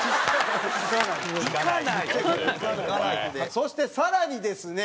そして更にですね